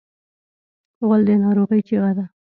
غول د ناروغۍ چیغه ده.